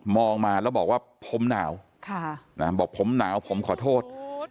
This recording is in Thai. มาแล้วบอกว่าผมหนาวบอกผมหนาวผมขอโทษ